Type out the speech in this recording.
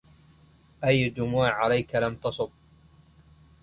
أي دموع عليك لم تصب